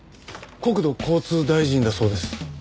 国土交通大臣だそうです。